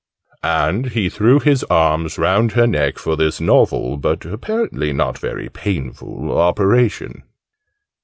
And he threw his arms round her neck for this novel, but apparently not very painful, operation.